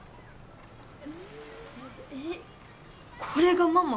えっこれがママ？